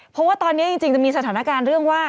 เพราะว่าตอนนี้จริงจะมีสถานการณ์เรื่องว่า